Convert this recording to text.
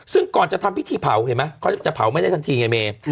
ซึ่งก่อนจะทำพิธีเผาเห็นไหมเขาจะเผาไม่ได้ทันทีไงเม